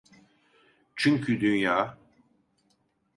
Çünkü dünya…